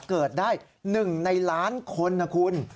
เกิดได้๑ในล้านคนนะคุณ